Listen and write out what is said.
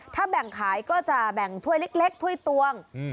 ถ้าแบ่งขายก็จะแบ่งถ้วยเล็กถ้วยตวง